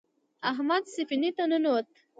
احمد سفینې ته ننوت.